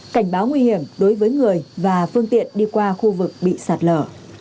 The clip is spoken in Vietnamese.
cảnh báo nguy hiểm đối với người và phương tiện đi qua khu vực bị sạt lở